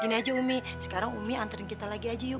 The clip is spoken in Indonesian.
ini aja umi sekarang umi anterin kita lagi aja yuk